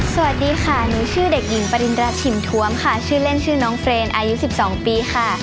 สวัสดีค่ะหนูชื่อเด็กหญิงปริณราชฉิมทวมค่ะชื่อเล่นชื่อน้องเฟรนอายุ๑๒ปีค่ะ